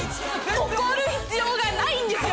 怒る必要がないんですよ！